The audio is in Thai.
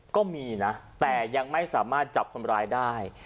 ก็มีนะแต่ยังไม่สามารถจับคนร้ายได้